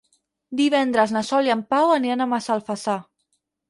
Divendres na Sol i en Pau aniran a Massalfassar.